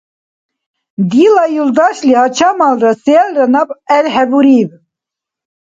Дила юлдашли гьачамалра, селра наб гӀебхӀебуриб.